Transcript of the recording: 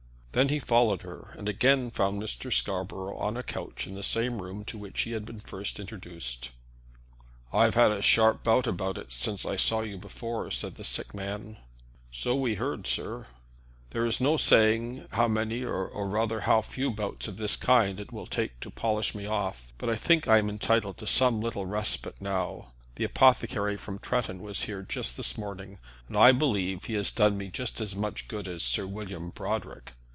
Then he followed her, and again found Mr. Scarborough on a couch in the same room to which he had been first introduced. "I've had a sharp bout of it since I saw you before," said the sick man. "So we heard, sir." "There is no saying how many or rather how few bouts of this kind it will take to polish me off. But I think I am entitled to some little respite now. The apothecary from Tretton was here this morning, and I believe has done me just as much good as Sir William Brodrick.